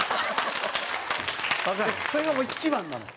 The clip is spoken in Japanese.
それがもう一番なの？